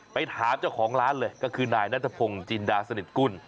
ไปถามเจ้าของร้านเลยก็คือนายนัทพงศ์จินดาสนิทกุล